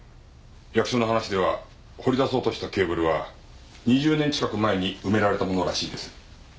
役所の話では掘り出そうとしたケーブルは２０年近く前に埋められたものらしいです。